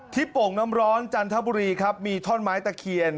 โป่งน้ำร้อนจันทบุรีครับมีท่อนไม้ตะเคียน